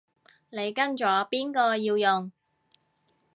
你跟咗邊個要用